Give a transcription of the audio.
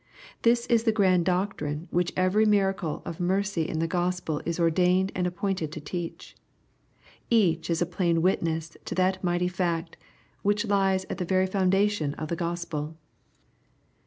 This is the grand doctrine which every miracle of mercy in the Gospel is ordained and appointed to teach. Each is a plain witness to that mighty fact, which lies at the very foundation of the Gospel. The LUKE, CHAP.